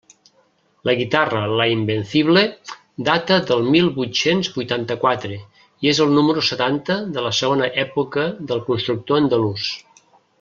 La guitarra La Invencible data del mil vuit-cents vuitanta-quatre, i és el número setanta de la segona època del constructor andalús.